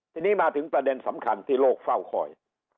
ทีนี้มาถึงประเด็นสำคัญที่โลกเฝ้าคอย